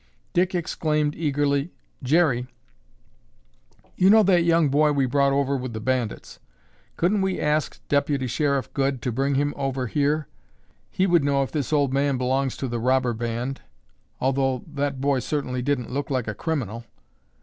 Dick exclaimed eagerly, "Jerry, you know that young boy we brought over with the bandits. Couldn't we ask Deputy Sheriff Goode to bring him over here? He would know if this old man belongs to the robber band, although that boy certainly didn't look like a criminal."